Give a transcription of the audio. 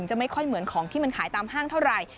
ไม่ค่อยเหมือนของที่มันขายตามห้างเท่าไหร่